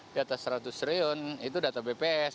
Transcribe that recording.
di atas seratus triliun itu data bps